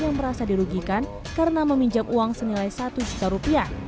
yang merasa dirugikan karena meminjam uang senilai satu juta rupiah